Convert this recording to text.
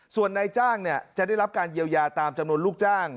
ส่วนนายจ้างจะได้รับการเยียวยาตามจำนวนลูกจ้าง